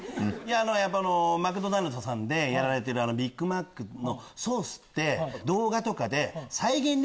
マクドナルドさんでやられてるビッグマックのソースって。